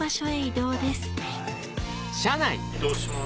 移動します。